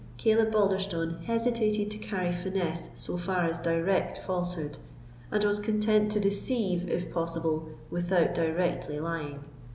Caleb Balderstone hesitated to carry finesse so far as direct falsehood, and was content to deceive, if possible, without directly lying.